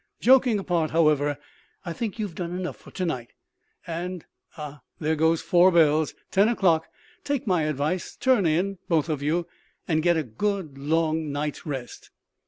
Joking apart, however, I think you have done enough for to night; and ah, there goes four bells ten o'clock take my advice, `turn in,' both of you, and get a good long night's rest."